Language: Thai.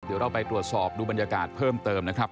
เดี๋ยวเราไปตรวจสอบดูบรรยากาศเพิ่มเติมนะครับ